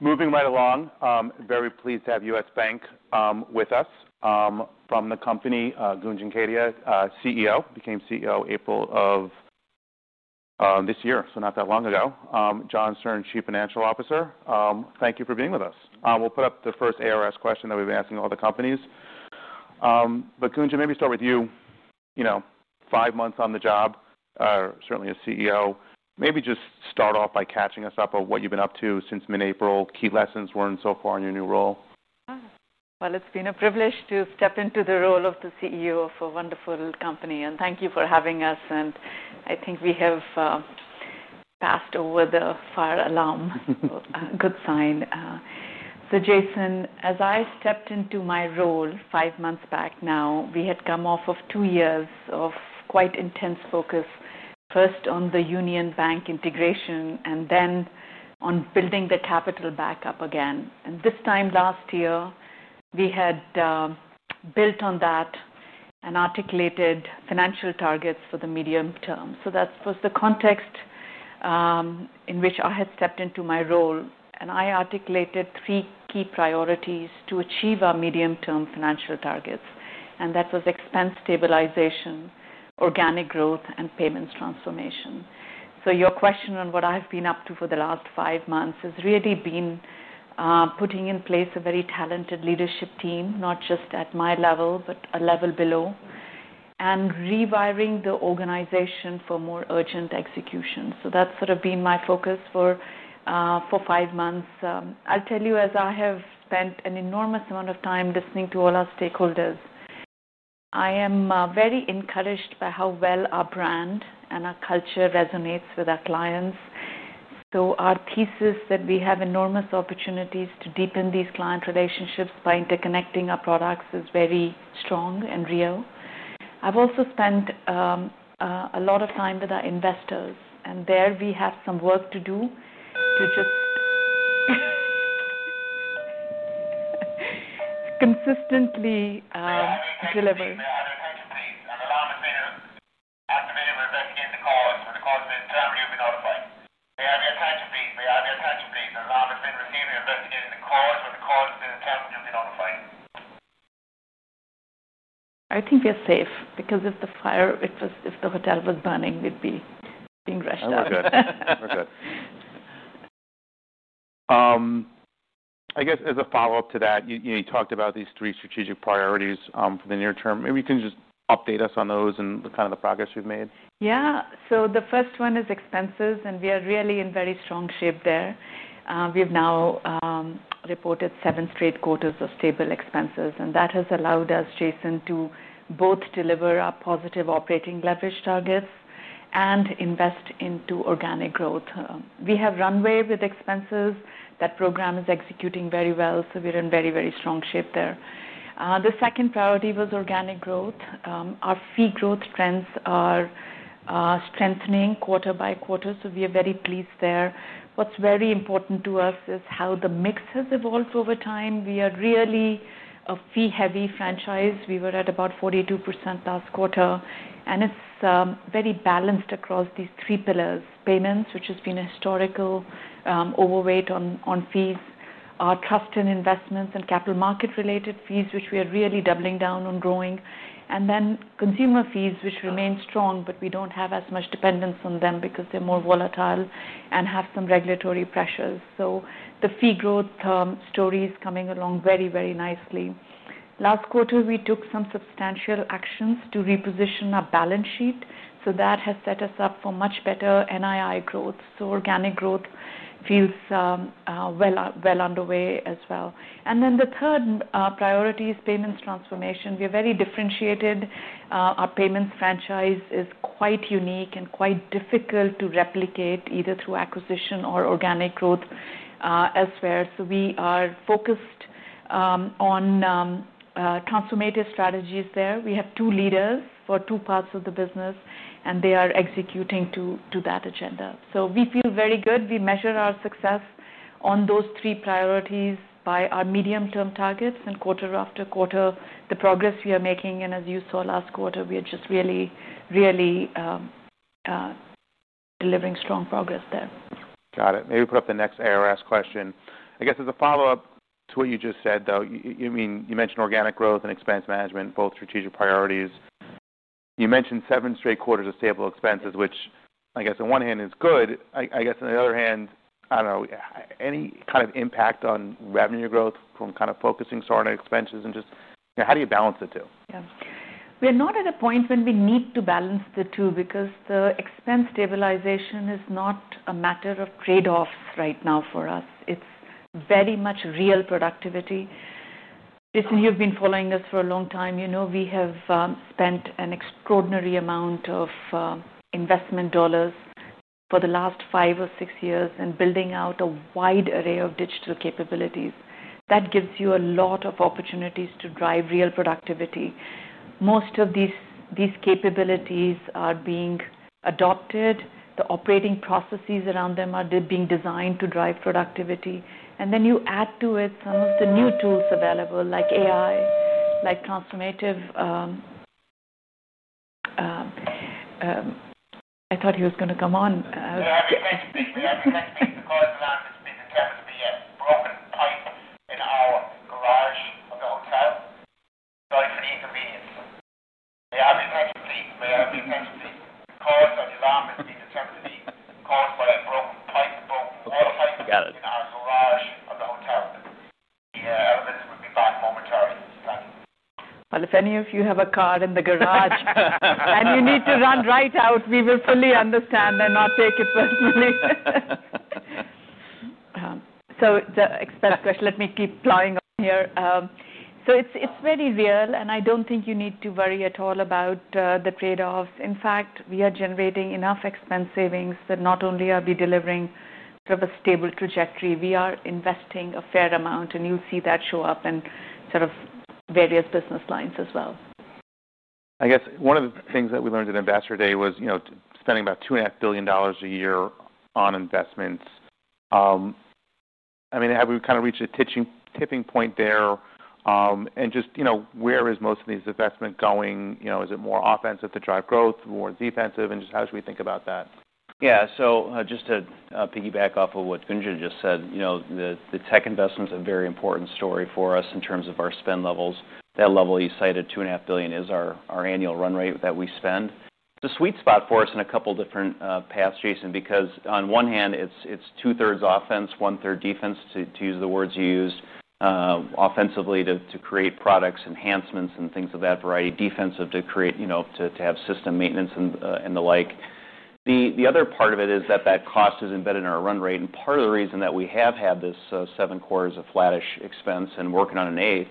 Moving right along. I'm very pleased to have U.S. Bancorp with us from the company, Gunjan Kedia, CEO. Became CEO in April of this year, so not that long ago. John Stern, Chief Financial Officer, thank you for being with us. We'll put up the first ARS question that we've been asking all the companies. Gunjan, maybe start with you. You know, five months on the job, certainly as CEO. Maybe just start off by catching us up on what you've been up to since mid-April. Key lessons learned so far in your new role? It's been a privilege to step into the role of the CEO of a wonderful company, and thank you for having us. I think we have passed over the fire alarm, a good sign. Jason, as I stepped into my role five months back now, we had come off of two years of quite intense focus, first on the Union Bank integration and then on building the capital back up again. This time last year, we had built on that and articulated financial targets for the medium term. That was the context in which I had stepped into my role, and I articulated three key priorities to achieve our medium-term financial targets, and that was expense stabilization, organic growth, and payments transformation. Your question on what I've been up to for the last five months has really been putting in place a very talented leadership team, not just at my level but a level below, and rewiring the organization for more urgent execution. That's sort of been my focus for five months. I'll tell you, as I have spent an enormous amount of time listening to all our stakeholders, I am very encouraged by how well our brand and our culture resonates with our clients. Our thesis that we have enormous opportunities to deepen these client relationships by interconnecting our products is very strong and real. I've also spent a lot of time with our investors, and there we have some work to do to just consistently deliver. I've been investigating the cause. If the cause is in terror, you'll be notified. May I be a passenger, please? May I be a passenger, please? An alarm has been resumed. We're investigating the cause. If the cause has been in terror, you'll be notified. I think we're safe because if the hotel was burning, we'd be being rushed out. Good. I guess as a follow-up to that, you talked about these three strategic priorities for the near term. Maybe you can just update us on those and the kind of the progress you've made. Yeah. The first one is expenses, and we are really in very strong shape there. We've now reported seven straight quarters of stable expenses, and that has allowed us, Jason, to both deliver our positive operating leverage targets and invest into organic growth. We have runway with expenses. That program is executing very well, so we're in very, very strong shape there. The second priority was organic growth. Our fee growth trends are strengthening quarter by quarter, so we are very pleased there. What's very important to us is how the mix has evolved over time. We are really a fee-heavy franchise. We were at about 42% last quarter, and it's very balanced across these three pillars: payments, which has been a historical overweight on fees, our trust in investments and capital market-related fees, which we are really doubling down on growing, and then consumer fees, which remain strong, but we don't have as much dependence on them because they're more volatile and have some regulatory pressures. The fee growth story is coming along very, very nicely. Last quarter, we took some substantial actions to reposition our balance sheet, so that has set us up for much better NII growth. Organic growth feels well underway as well. The third priority is payments transformation. We're very differentiated. Our payments franchise is quite unique and quite difficult to replicate either through acquisition or organic growth elsewhere. We are focused on transformative strategies there. We have two leaders for two parts of the business, and they are executing to that agenda. We feel very good. We measure our success on those three priorities by our medium-term targets, and quarter after quarter, the progress we are making. As you saw last quarter, we're just really, really delivering strong progress there. Got it. Maybe put up the next ARS question. I guess as a follow-up to what you just said, you mentioned organic growth and expense management, both strategic priorities. You mentioned seven straight quarters of stable expenses, which I guess on one hand is good. On the other hand, I don't know, any kind of impact on revenue growth from kind of focusing sort of expenses? Just how do you balance the two? Yeah. We're not at a point when we need to balance the two because the expense stabilization is not a matter of trade-offs right now for us. It's very much real productivity. Jason, you've been following us for a long time. You know we have spent an extraordinary amount of investment dollars for the last five or six years in building out a wide array of digital capabilities. That gives you a lot of opportunities to drive real productivity. Most of these capabilities are being adopted. The operating processes around them are being designed to drive productivity. You add to it some of the new tools available, like AI, like transformative. I thought he was going to come on. The cause of the alarm has been determined to be a broken pipe in our garage of the hotel. Sorry for the inconvenience. May I be a passenger, please? May I be a passenger, please? The cause of the alarm has been determined to be caused by a broken pipe in our garage of the hotel. The elements will be back momentarily. If any of you have a card in the garage and you need to run right out, we will fully understand and not take it personally. The expense question, let me keep plowing on here. It is very real, and I don't think you need to worry at all about the trade-offs. In fact, we are generating enough expense savings that not only are we delivering sort of a stable trajectory, we are investing a fair amount, and you'll see that show up in various business lines as well. I guess one of the things that we learned in Ambassador Day was spending about $2.5 billion a year on investments. Have we kind of reached a tipping point there? Where is most of these investments going? Is it more offensive to drive growth, more defensive? How should we think about that? Yeah. Just to piggyback off of what Gunjan just said, the tech investments are a very important story for us in terms of our spend levels. That level you cited, $2.5 billion, is our annual run rate that we spend. The sweet spot for us in a couple of different paths, Jason, because on one hand, it's two-thirds offense, one-third defense, to use the words you used, offensively to create products, enhancements, and things of that variety, defensively to have system maintenance and the like. The other part of it is that cost is embedded in our run rate. Part of the reason that we have had this seven quarters of flattish expense and working on an eighth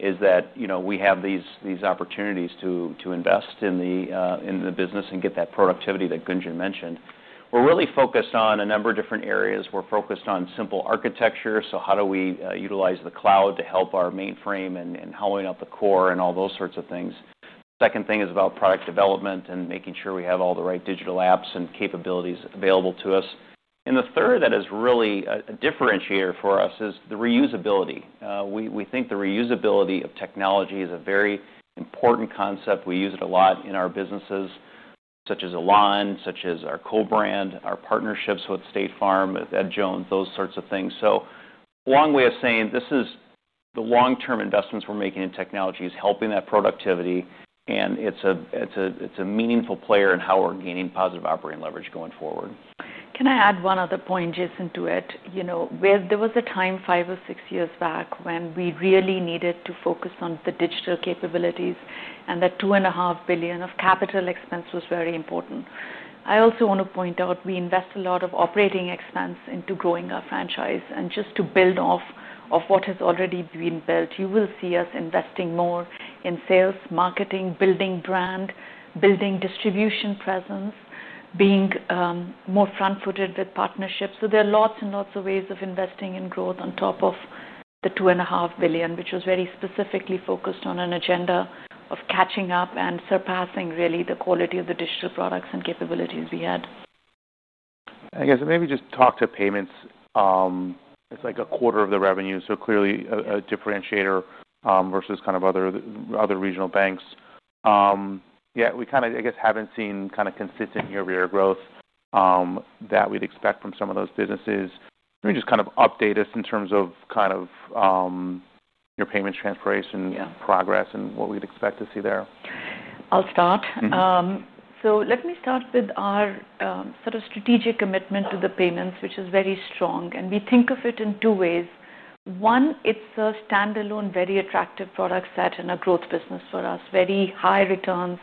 is that we have these opportunities to invest in the business and get that productivity that Gunjan mentioned. We're really focused on a number of different areas. We're focused on simple architecture. How do we utilize the cloud to help our mainframe and hollowing out the core and all those sorts of things? The second thing is about product development and making sure we have all the right digital apps and capabilities available to us. The third that is really a differentiator for us is the reusability. We think the reusability of technology is a very important concept. We use it a lot in our businesses, such as Elan, such as our co-brand, our partnerships with State Farm, with Ed Jones, those sorts of things. A long way of saying this is the long-term investments we're making in technology is helping that productivity, and it's a meaningful player in how we're gaining positive operating leverage going forward. Can I add one other point, Jason, to it? There was a time five or six years back when we really needed to focus on the digital capabilities and that $2.5 billion of capital expense was very important. I also want to point out we invest a lot of operating expense into growing our franchise. Just to build off of what has already been built, you will see us investing more in sales, marketing, building brand, building distribution presence, being more front-footed with partnerships. There are lots and lots of ways of investing in growth on top of the $2.5 billion, which was very specifically focused on an agenda of catching up and surpassing really the quality of the digital products and capabilities we had. I guess maybe just talk to payments. It's like a quarter of the revenue, so clearly a differentiator versus other regional banks. We haven't seen consistent year-over-year growth that we'd expect from some of those businesses. Maybe just update us in terms of your payments transformation progress and what we'd expect to see there. I'll start. Let me start with our sort of strategic commitment to the payments, which is very strong. We think of it in two ways. One, it's a standalone, very attractive product set in a growth business for us, very high returns,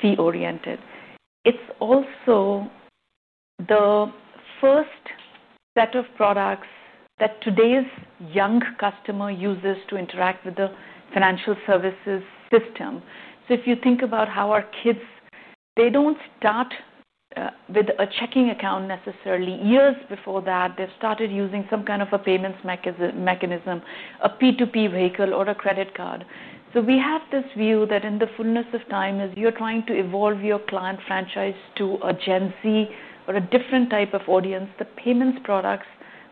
fee-oriented. It's also the first set of products that today's young customer uses to interact with the financial services system. If you think about how our kids, they don't start with a checking account necessarily. Years before that, they've started using some kind of a payments mechanism, a P2P vehicle, or a credit card. We have this view that in the fullness of time, as you're trying to evolve your client franchise to a Gen Z or a different type of audience, the payments products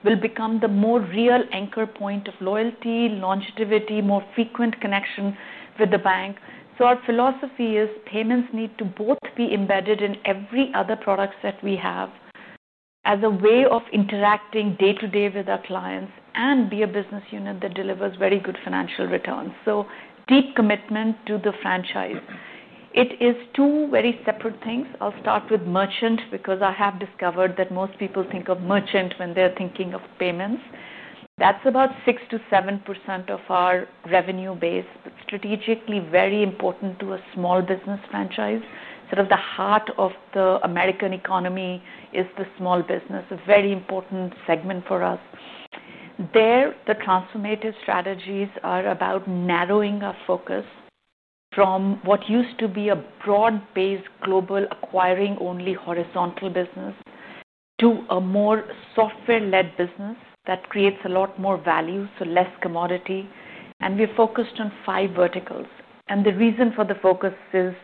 will become the more real anchor point of loyalty, longevity, more frequent connection with the bank. Our philosophy is payments need to both be embedded in every other product set we have as a way of interacting day-to-day with our clients and be a business unit that delivers very good financial returns. Deep commitment to the franchise. It is two very separate things. I'll start with merchant because I have discovered that most people think of merchant when they're thinking of payments. That's about 6%-7% of our revenue base, strategically very important to a small business franchise. The heart of the American economy is the small business, a very important segment for us. There, the transformative strategies are about narrowing our focus from what used to be a broad-based global acquiring-only horizontal business to a more software-led business that creates a lot more value, so less commodity. We're focused on five verticals. The reason for the focus is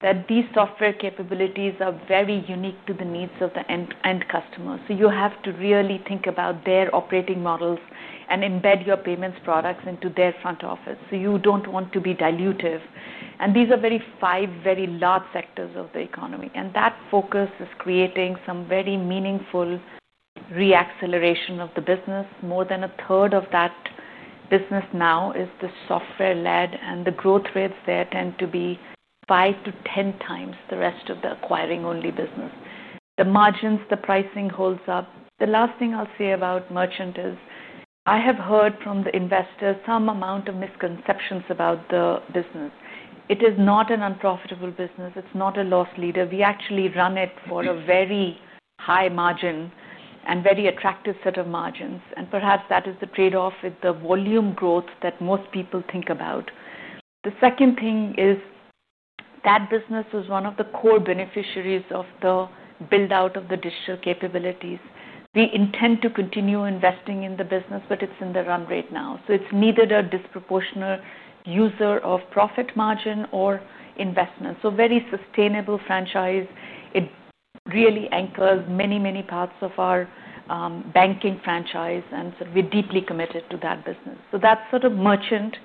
that these software capabilities are very unique to the needs of the end customer. You have to really think about their operating models and embed your payments products into their front office. You don't want to be dilutive. These are five very large sectors of the economy. That focus is creating some very meaningful reacceleration of the business. More than a third of that business now is the software-led, and the growth rates there tend to be 5x-10x the rest of the acquiring-only business. The margins, the pricing holds up. The last thing I'll say about merchant is I have heard from the investors some amount of misconceptions about the business. It is not an unprofitable business. It's not a loss leader. We actually run it for a very high margin and very attractive set of margins. Perhaps that is the trade-off with the volume growth that most people think about. The second thing is that business is one of the core beneficiaries of the build-out of the digital capabilities. We intend to continue investing in the business, but it's in the run rate now. It's neither a disproportionate user of profit margin or investment. Very sustainable franchise. It really anchors many, many parts of our banking franchise, and we're deeply committed to that business. That's sort of merchant.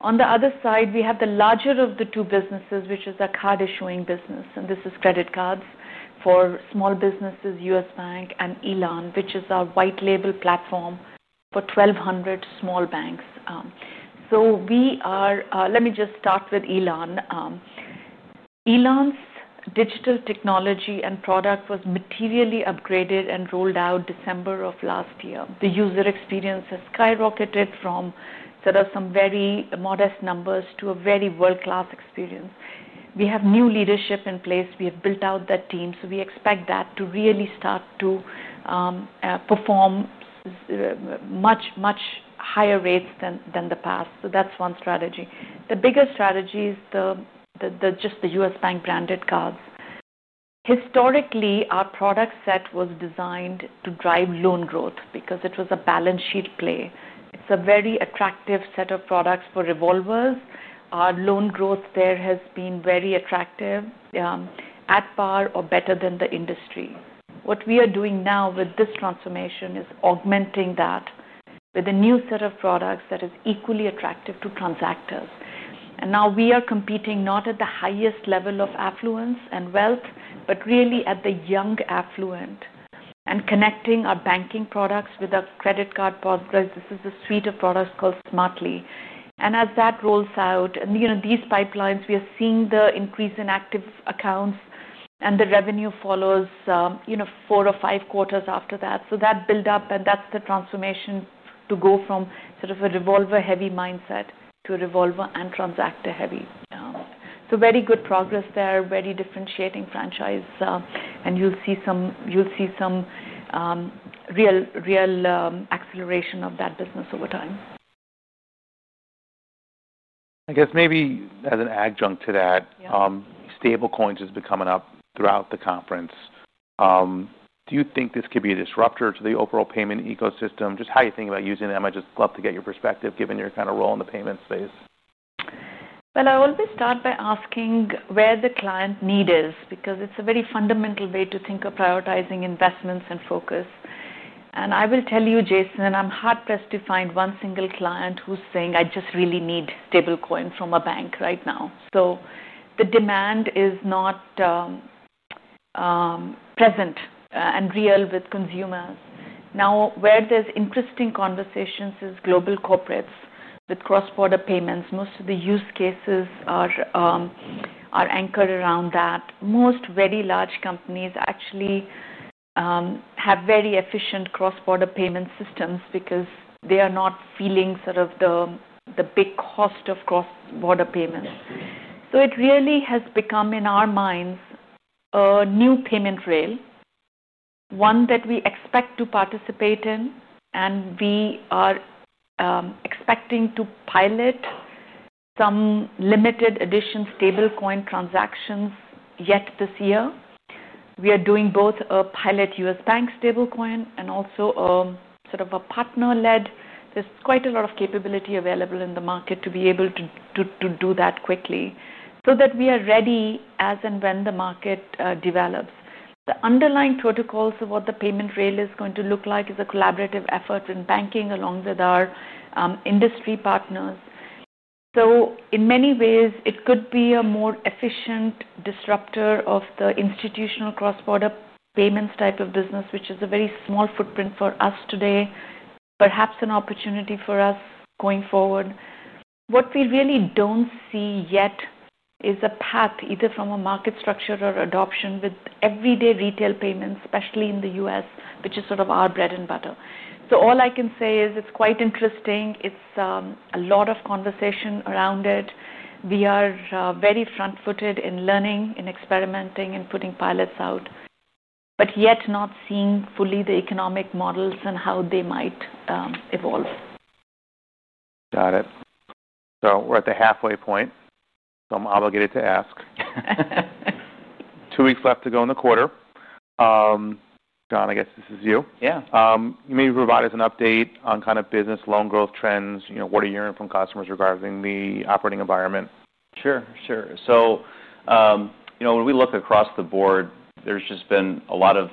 On the other side, we have the larger of the two businesses, which is a card issuing business. This is credit cards for small businesses, U.S. Bank, and Elan, which is our white-label platform for 1,200 small banks. Let me just start with Elan. Elan's digital technology and product was materially upgraded and rolled out December of last year. The user experience has skyrocketed from some very modest numbers to a very world-class experience. We have new leadership in place. We have built out that team. We expect that to really start to perform at much, much higher rates than the past. That's one strategy. The bigger strategy is just the U.S. Bank branded cards. Historically, our product set was designed to drive loan growth because it was a balance sheet play. It's a very attractive set of products for revolvers. Our loan growth there has been very attractive, at par or better than the industry. What we are doing now with this transformation is augmenting that with a new set of products that is equally attractive to transactors. Now we are competing not at the highest level of affluence and wealth, but really at the young affluent and connecting our banking products with our credit card products. This is a suite of products called Smartly. As that rolls out, and these pipelines, we are seeing the increase in active accounts and the revenue follows, you know, four or five quarters after that. That build-up, and that's the transformation to go from a revolver-heavy mindset to a revolver and transactor-heavy. Very good progress there, very differentiating franchise. You'll see some real acceleration of that business over time. I guess maybe as an adjunct to that, stablecoin has been coming up throughout the conference. Do you think this could be a disruptor to the overall payment ecosystem? Just how you think about using them? I'd just love to get your perspective, given your kind of role in the payment space. I always start by asking where the client need is because it's a very fundamental way to think of prioritizing investments and focus. I will tell you, Jason, I'm hard-pressed to find one single client who's saying, "I just really need stablecoin from a bank right now." The demand is not present and real with consumers. Where there's interesting conversations is global corporates with cross-border payments. Most of the use cases are anchored around that. Most very large companies actually have very efficient cross-border payment systems because they are not feeling the big cost of cross-border payments. It really has become, in our minds, a new payment rail, one that we expect to participate in. We are expecting to pilot some limited edition stablecoin transactions yet this year. We are doing both a pilot U.S. Bancorp stablecoin and also a sort of a partner-led. There's quite a lot of capability available in the market to be able to do that quickly so that we are ready as and when the market develops. The underlying protocols of what the payment rail is going to look like is a collaborative effort in banking along with our industry partners. In many ways, it could be a more efficient disruptor of the institutional cross-border payments type of business, which is a very small footprint for us today, perhaps an opportunity for us going forward. What we really don't see yet is a path either from a market structure or adoption with everyday retail payments, especially in the U.S., which is sort of our bread and butter. All I can say is it's quite interesting. It's a lot of conversation around it. We are very front-footed in learning, in experimenting, and putting pilots out, but yet not seeing fully the economic models and how they might evolve. Got it. We're at the halfway point, so I'm obligated to ask. Two weeks left to go in the quarter. John, I guess this is you. Yeah. You may provide us an update on kind of business loan growth trends. You know, what are you hearing from customers regarding the operating environment? Sure. When we look across the board, there's just been a lot of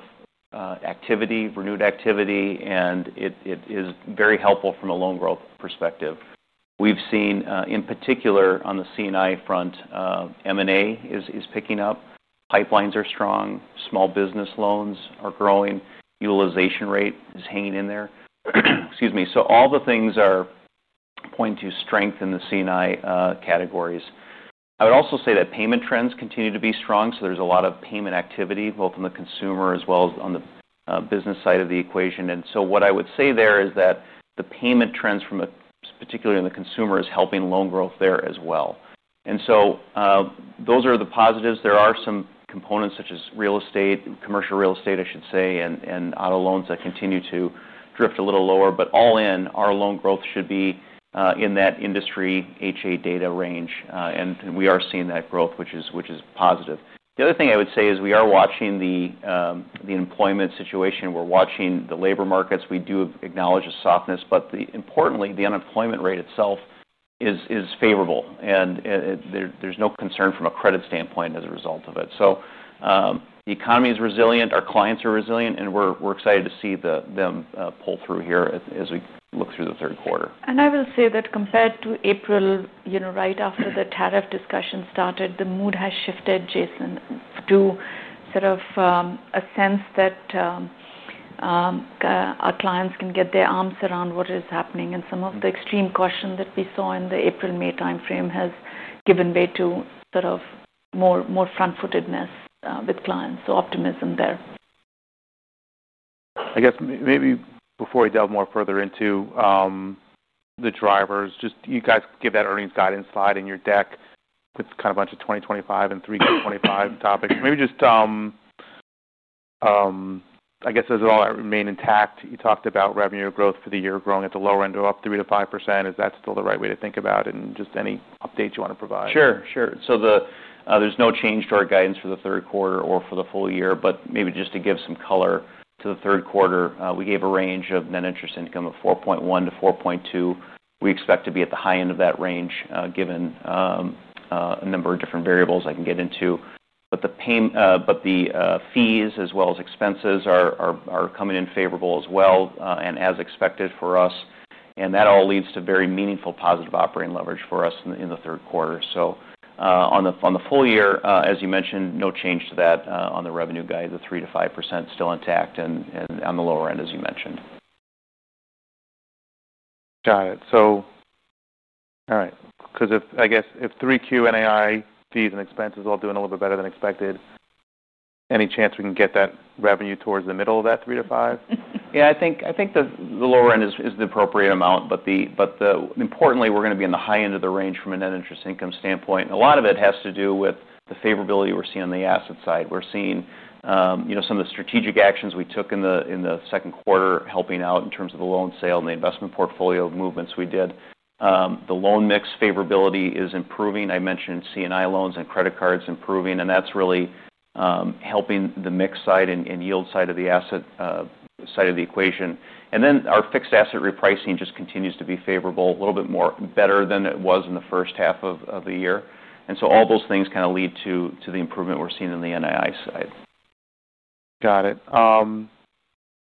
activity, renewed activity, and it is very helpful from a loan growth perspective. We've seen, in particular, on the C&I front, M&A is picking up. Pipelines are strong. Small business loans are growing. Utilization rate is hanging in there. All the things are pointing to strength in the C&I categories. I would also say that payment trends continue to be strong. There's a lot of payment activity, both on the consumer as well as on the business side of the equation. What I would say there is that the payment trends, particularly in the consumer, are helping loan growth there as well. Those are the positives. There are some components such as commercial real estate and auto loans that continue to drift a little lower. All in, our loan growth should be in that industry HA data range. We are seeing that growth, which is positive. The other thing I would say is we are watching the employment situation. We're watching the labor markets. We do acknowledge a softness, but importantly, the unemployment rate itself is favorable. There's no concern from a credit standpoint as a result of it. The economy is resilient. Our clients are resilient, and we're excited to see them pull through here as we look through the third quarter. Compared to April, you know, right after the tariff discussion started, the mood has shifted, Jason, to sort of a sense that our clients can get their arms around what is happening. Some of the extreme caution that we saw in the April-May timeframe has given way to sort of more front-footedness with clients, so optimism there. I guess maybe before we delve further into the drivers, you guys give that earnings guidance slide in your deck. It's kind of a bunch of 2025 and 325 topics. Does it all remain intact? You talked about revenue growth for the year growing at the lower end of up 3%-5%. Is that still the right way to think about it? Any updates you want to provide? Sure. There's no change to our guidance for the third quarter or for the full year, but maybe just to give some color to the third quarter, we gave a range of net interest income of $4.1 billion-$4.2 billion. We expect to be at the high end of that range given a number of different variables I can get into. The fees as well as expenses are coming in favorable as well and as expected for us. That all leads to very meaningful positive operating leverage for us in the third quarter. On the full year, as you mentioned, no change to that on the revenue guide, the 3%-5% still intact and on the lower end, as you mentioned. Got it. All right, because if I guess if 3Q and AI fees and expenses are all doing a little bit better than expected, any chance we can get that revenue towards the middle of that 3%-5%? Yeah, I think the lower end is the appropriate amount, but importantly, we're going to be in the high end of the range from a net interest income standpoint. A lot of it has to do with the favorability we're seeing on the asset side. We're seeing some of the strategic actions we took in the second quarter helping out in terms of the loan sale and the investment portfolio movements we did. The loan mix favorability is improving. I mentioned C&I loans and credit cards improving, and that's really helping the mix side and yield side of the asset side of the equation. Our fixed asset repricing just continues to be favorable, a little bit more better than it was in the first half of the year. All those things kind of lead to the improvement we're seeing on the NII side. Got it.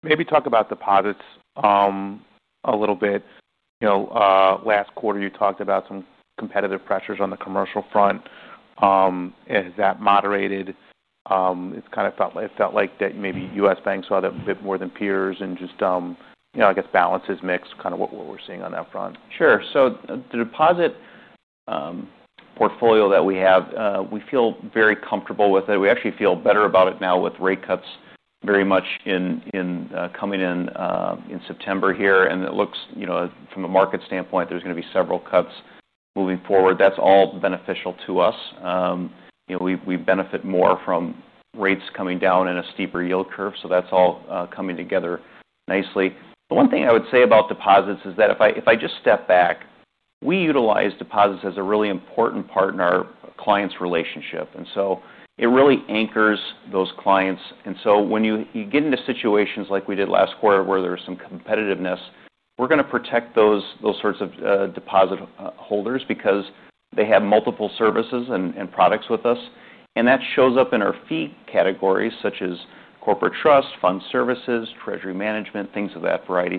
Maybe talk about deposits a little bit. Last quarter, you talked about some competitive pressures on the commercial front. Is that moderated? It kind of felt like that maybe U.S. Bancorp is a bit more than peers and just, I guess balances mix kind of what we're seeing on that front. Sure. The deposit portfolio that we have, we feel very comfortable with it. We actually feel better about it now with rate cuts very much coming in in September here. It looks, you know, from a market standpoint, there's going to be several cuts moving forward. That's all beneficial to us. We benefit more from rates coming down and a steeper yield curve. That's all coming together nicely. The one thing I would say about deposits is that if I just step back, we utilize deposits as a really important part in our client's relationship. It really anchors those clients. When you get into situations like we did last quarter where there's some competitiveness, we're going to protect those sorts of deposit holders because they have multiple services and products with us. That shows up in our fee categories such as corporate trust, fund services, treasury management, things of that variety.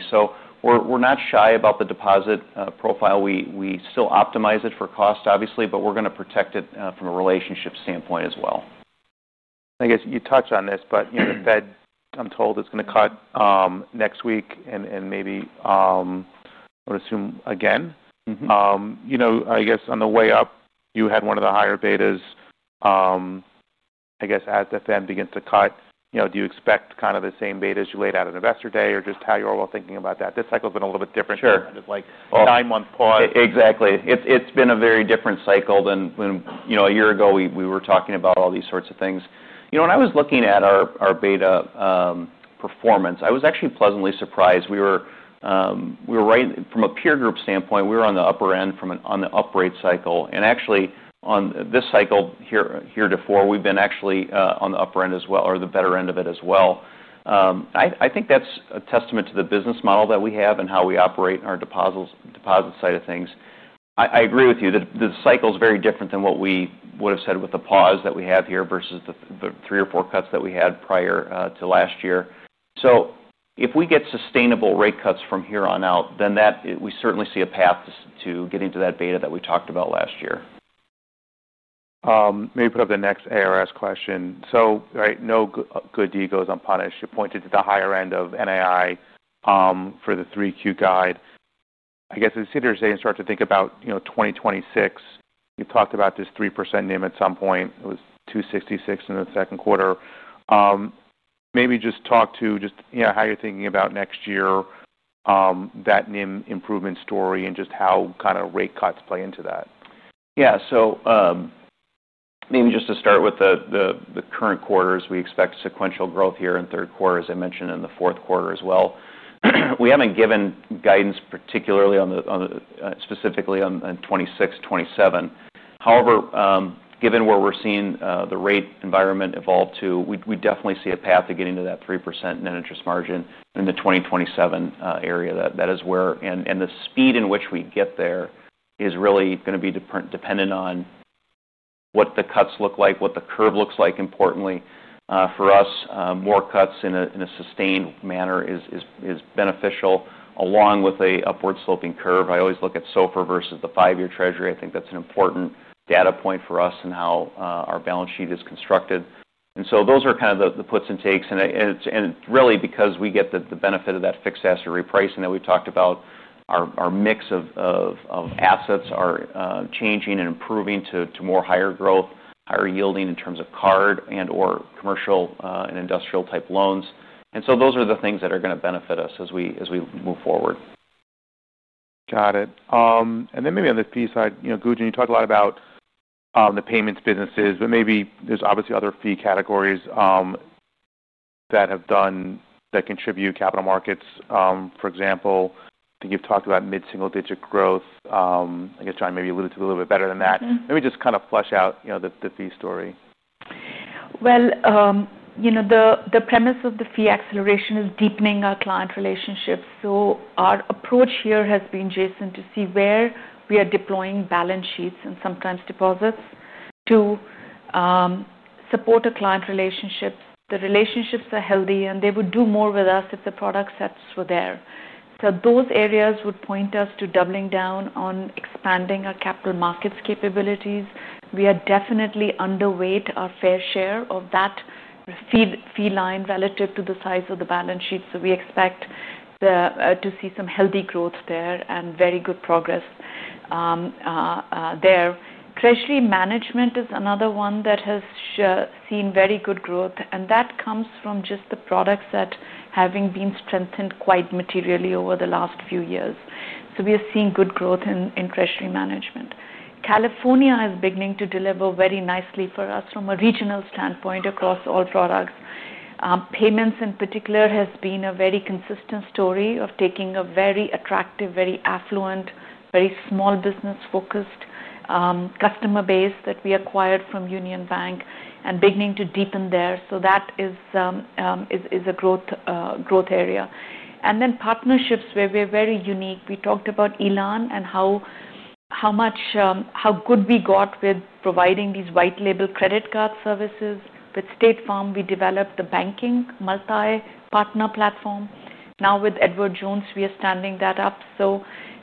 We're not shy about the deposit profile. We still optimize it for cost, obviously, but we're going to protect it from a relationship standpoint as well. I guess you touched on this, but you know, the Fed, I'm told, is going to cut next week and maybe, I would assume, again. You know, on the way up, you had one of the higher betas. As the Fed begins to cut, do you expect kind of the same beta as you laid out at Ambassador Day or just how you're all thinking about that? This cycle has been a little bit different. Sure. It's like a nine-month pause. Exactly. It's been a very different cycle than when, you know, a year ago we were talking about all these sorts of things. When I was looking at our beta performance, I was actually pleasantly surprised. We were right from a peer group standpoint, we were on the upper end on the up-rate cycle. Actually, on this cycle heretofore, we've been on the upper end as well, or the better end of it as well. I think that's a testament to the business model that we have and how we operate on our deposit side of things. I agree with you that the cycle is very different than what we would have said with the pause that we have here versus the three or four cuts that we had prior to last year. If we get sustainable rate cuts from here on out, then we certainly see a path to getting to that beta that we talked about last year. Maybe put up the next ARS question. Right, no good deed goes unpunished. You pointed to the higher end of NII for the 3Q guide. I guess as senior citizens start to think about, you know, 2026, you've talked about this 3% NIM at some point. It was 2.66% in the second quarter. Maybe just talk to just, you know, how you're thinking about next year, that NIM improvement story, and just how kind of rate cuts play into that. Yeah, maybe just to start with the current quarters, we expect sequential growth here in the third quarter, as I mentioned, and the fourth quarter as well. We haven't given guidance particularly specifically on 26%, 27%. However, given where we're seeing the rate environment evolve to, we definitely see a path to getting to that 3% net interest margin in the 2027 area. That is where, and the speed in which we get there is really going to be dependent on what the cuts look like, what the curve looks like. Importantly, for us, more cuts in a sustained manner is beneficial, along with an upward sloping curve. I always look at SOFR versus the five-year Treasury. I think that's an important data point for us and how our balance sheet is constructed. Those are kind of the puts and takes. It's really because we get the benefit of that fixed asset repricing that we've talked about. Our mix of assets are changing and improving to more higher growth, higher yielding in terms of card and/or commercial and industrial type loans. Those are the things that are going to benefit us as we move forward. Got it. Maybe on the fee side, you know, Gunjan, you talked a lot about the payments businesses, but maybe there's obviously other fee categories that have done that contribute to capital markets. For example, I think you've talked about mid-single-digit growth. I guess John maybe alluded to it a little bit better than that. Maybe just kind of flesh out the fee story. The premise of the fee acceleration is deepening our client relationships. Our approach here has been, Jason, to see where we are deploying balance sheets and sometimes deposits to support our client relationships. The relationships are healthy, and they would do more with us if the product sets were there. Those areas would point us to doubling down on expanding our capital markets capabilities. We are definitely underweight our fair share of that fee line relative to the size of the balance sheet. We expect to see some healthy growth there and very good progress there. Treasury management is another one that has seen very good growth, and that comes from just the product set having been strengthened quite materially over the last few years. We are seeing good growth in treasury management. California is beginning to deliver very nicely for us from a regional standpoint across all products. Payments in particular has been a very consistent story of taking a very attractive, very affluent, very small business-focused customer base that we acquired from Union Bank and beginning to deepen there. That is a growth area. Partnerships where we're very unique. We talked about Elan and how good we got with providing these white-label credit card services. With State Farm, we developed the banking multi-partner platform. Now with Edward Jones, we are standing that up.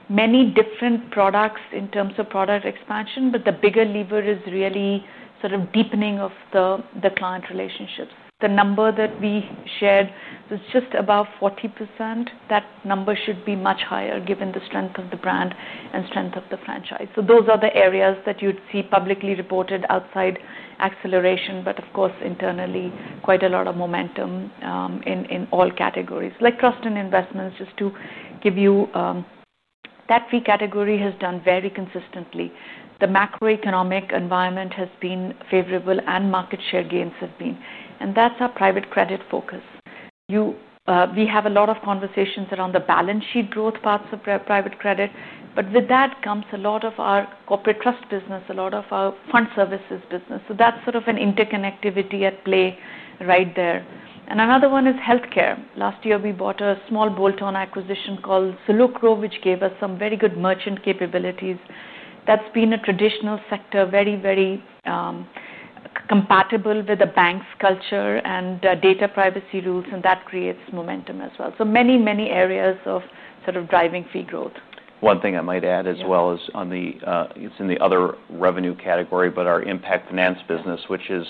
Many different products in terms of product expansion, but the bigger lever is really sort of deepening of the client relationships. The number that we shared was just above 40%. That number should be much higher given the strength of the brand and strength of the franchise. Those are the areas that you'd see publicly reported outside acceleration, but of course, internally, quite a lot of momentum in all categories. Like trust and investments, just to give you, that fee category has done very consistently. The macroeconomic environment has been favorable and market share gains have been. That's our private credit focus. We have a lot of conversations around the balance sheet growth parts of private credit, but with that comes a lot of our corporate trust business, a lot of our fund services business. That is sort of an interconnectivity at play right there. Another one is health care. Last year, we bought a small bolt-on acquisition called Salukro, which gave us some very good merchant capabilities. That's been a traditional sector, very, very compatible with the bank's culture and data privacy rules, and that creates momentum as well. Many, many areas of sort of driving fee growth. One thing I might add as well is it's in the other revenue category, but our impact finance business, which is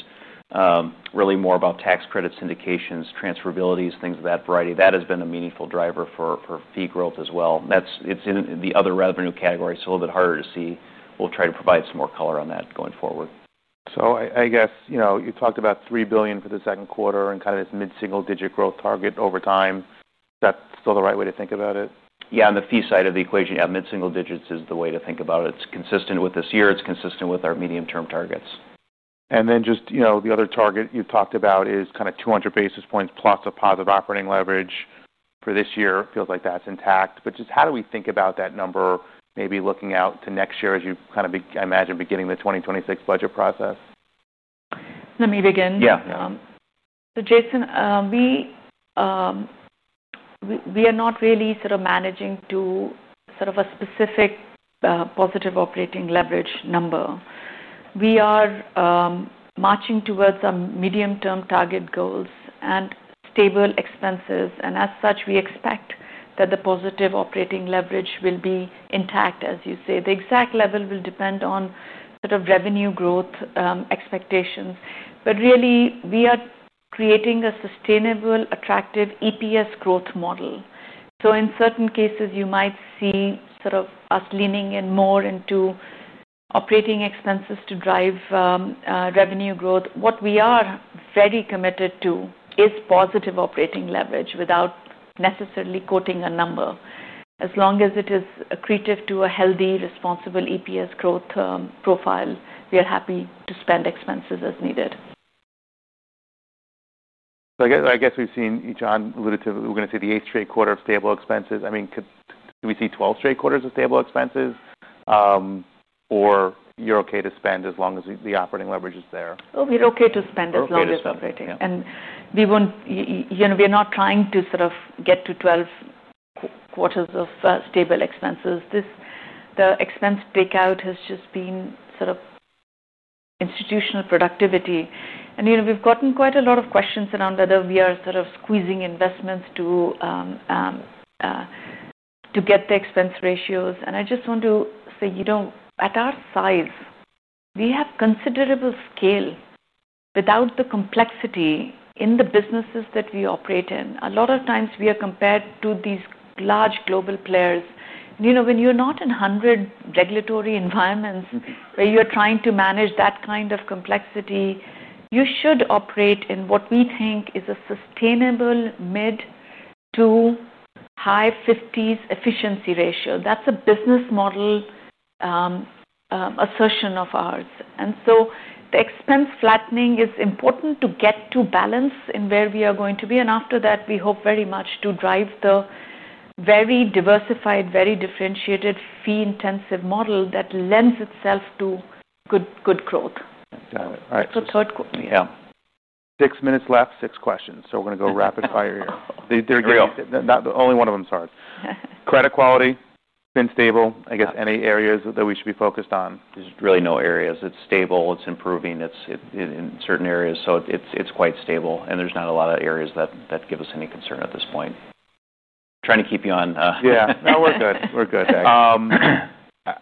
really more about tax credit syndications, transferabilities, things of that variety. That has been a meaningful driver for fee growth as well. It's in the other revenue category, so a little bit harder to see. We'll try to provide some more color on that going forward. You talked about $3 billion for the second quarter and kind of this mid-single-digit growth target over time. Is that still the right way to think about it? Yeah, on the fee side of the equation, yeah, mid-single digits is the way to think about it. It's consistent with this year. It's consistent with our medium-term targets. The other target you've talked about is kind of 200 basis points plus a positive operating leverage for this year. It feels like that's intact, but just how do we think about that number, maybe looking out to next year as you kind of imagine beginning the 2026 budget process? Let me begin. Yeah. Jason, we are not really sort of managing to a specific positive operating leverage number. We are marching towards our medium-term target goals and stable expenses. As such, we expect that the positive operating leverage will be intact, as you say. The exact level will depend on revenue growth expectations. We are creating a sustainable, attractive EPS growth model. In certain cases, you might see us leaning in more into operating expenses to drive revenue growth. What we are very committed to is positive operating leverage without necessarily quoting a number. As long as it is accretive to a healthy, responsible EPS growth profile, we are happy to spend expenses as needed. I guess we've seen, as John alluded to, we're going to say the eighth straight quarter of stable expenses. Do we see 12 straight quarters of stable expenses, or you're okay to spend as long as the operating leverage is there? Oh, we're okay to spend as long as the operating leverage is there. We're not trying to sort of get to 12 quarters of stable expenses. The expense takeout has just been sort of institutional productivity. We've gotten quite a lot of questions around whether we are sort of squeezing investments to get the expense ratios. I just want to say, at our size, we have considerable scale without the complexity in the businesses that we operate in. A lot of times, we are compared to these large global players. When you're not in 100 regulatory environments where you're trying to manage that kind of complexity, you should operate in what we think is a sustainable mid to high 50% efficiency ratio. That's a business model assertion of ours. The expense flattening is important to get to balance in where we are going to be. After that, we hope very much to drive the very diversified, very differentiated fee-intensive model that lends itself to good growth. Got it. Third quarter. Yeah. Six minutes left, six questions. We're going to go rapid fire here. Agreed. Credit quality, it's been stable. I guess any areas that we should be focused on? are really no areas. It's stable. It's improving in certain areas, so it's quite stable. There's not a lot of areas that give us any concern at this point. Trying to keep you on. Yeah, no, we're good.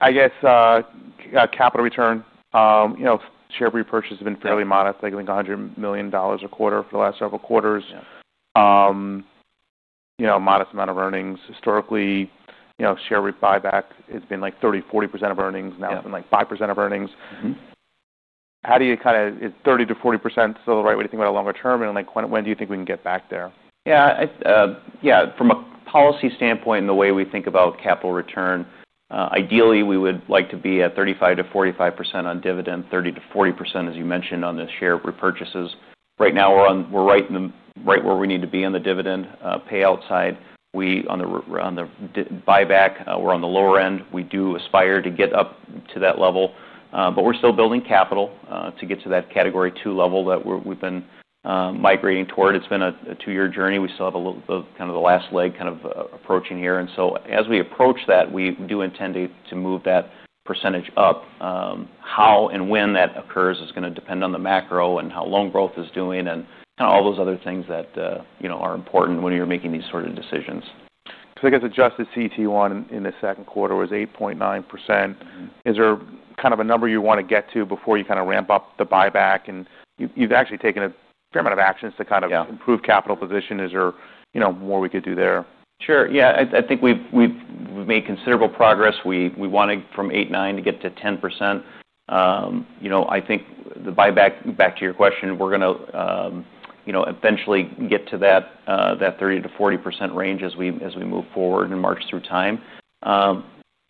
I guess capital return, you know, share repurchase has been fairly modest. I think $100 million a quarter for the last several quarters, you know, a modest amount of earnings. Historically, you know, share rep buyback has been like 30%-40% of earnings. Now it's been like 5% of earnings. How do you kind of, is 30%-40% still the right way to think about it longer term? Like when do you think we can get back there? Yeah, from a policy standpoint and the way we think about capital return, ideally, we would like to be at 35%-45% on dividend, 30%-40%, as you mentioned, on the share repurchases. Right now, we're right where we need to be on the dividend payout side. On the buyback, we're on the lower end. We do aspire to get up to that level, but we're still building capital to get to that category two level that we've been migrating toward. It's been a two-year journey. We still have a little bit of kind of the last leg approaching here. As we approach that, we do intend to move that percentage up. How and when that occurs is going to depend on the macro and how loan growth is doing and all those other things that are important when you're making these sort of decisions. Adjusted CET1 in the second quarter was 8.9%. Is there kind of a number you want to get to before you ramp up the buyback? You've actually taken a fair amount of actions to improve capital position. Is there more we could do there? Sure. I think we've made considerable progress. We wanted from 8%, 9% to get to 10%. I think the buyback, back to your question, we're going to eventually get to that 30%-40% range as we move forward and march through time.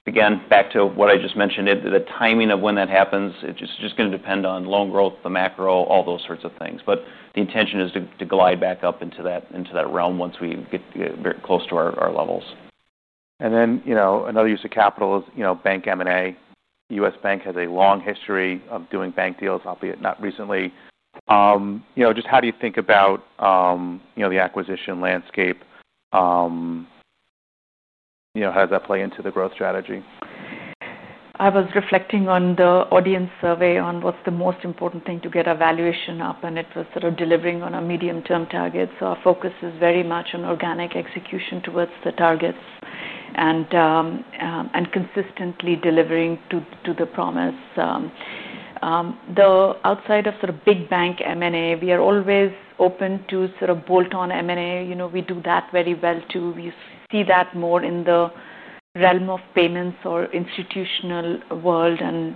Again, back to what I just mentioned, the timing of when that happens is just going to depend on loan growth, the macro, all those sorts of things. The intention is to glide back up into that realm once we get very close to our levels. Another use of capital is bank M&A. U.S. Bancorp has a long history of doing bank deals, albeit not recently. How do you think about the acquisition landscape? How does that play into the growth strategy? I was reflecting on the audience survey on what's the most important thing to get evaluation up, and it was sort of delivering on a medium-term target. Our focus is very much on organic execution towards the targets and consistently delivering to the promise. Outside of sort of big bank M&A, we are always open to sort of bolt-on M&A. We do that very well too. We see that more in the realm of payments or institutional world, and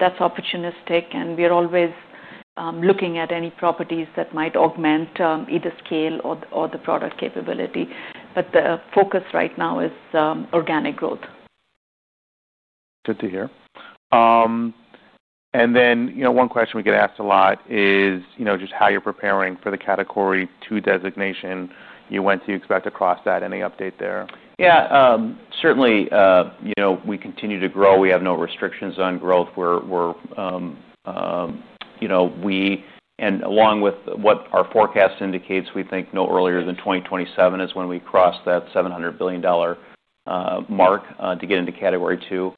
that's opportunistic. We're always looking at any properties that might augment either scale or the product capability. The focus right now is organic growth. Good to hear. One question we get asked a lot is just how you're preparing for the category two regulatory designation. You expect to cross that. Any update there? Yeah, certainly, we continue to grow. We have no restrictions on growth. Along with what our forecast indicates, we think no earlier than 2027 is when we cross that $700 billion mark to get into category two.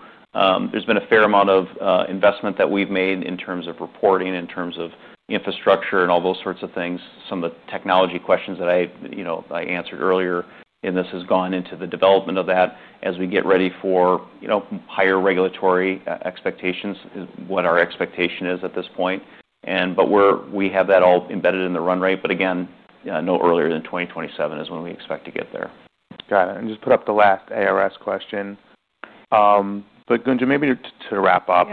There's been a fair amount of investment that we've made in terms of reporting, in terms of infrastructure, and all those sorts of things. Some of the technology questions that I answered earlier in this have gone into the development of that as we get ready for higher regulatory expectations, what our expectation is at this point. We have that all embedded in the run rate. Again, no earlier than 2027 is when we expect to get there. Got it. Just to put up the last ARS question. Gunjan, maybe to wrap up,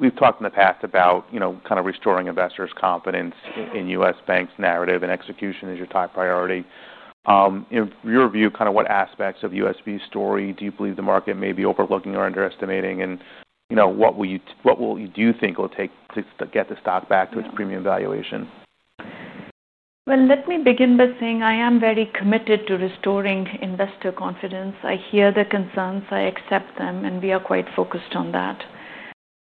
we've talked in the past about kind of restoring investors' confidence in U.S. Bancorp's narrative and execution is your top priority. In your view, kind of what aspects of U.S. Bancorp's story do you believe the market may be overlooking or underestimating? What do you think it will take to get the stock back to its premium valuation? I am very committed to restoring investor confidence. I hear the concerns. I accept them. We are quite focused on that.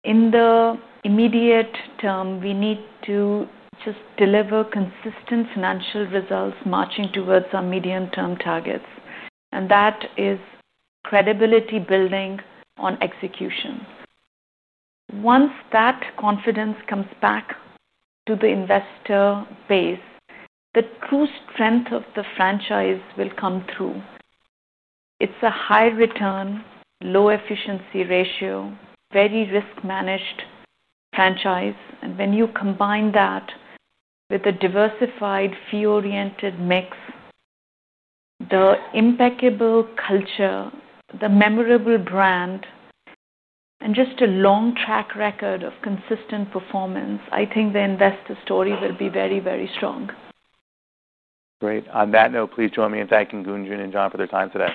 In the immediate term, we need to just deliver consistent financial results marching towards our medium-term targets. That is credibility building on execution. Once that confidence comes back to the investor base, the true strength of the franchise will come through. It's a high return, low efficiency ratio, very risk-managed franchise. When you combine that with a diversified fee-oriented mix, the impeccable culture, the memorable brand, and just a long track record of consistent performance, I think the investor story will be very, very strong. Great. On that note, please join me in thanking Gunjan and John for their time today.